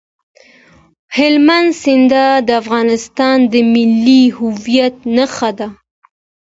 هلمند سیند د افغانستان د ملي هویت نښه ده.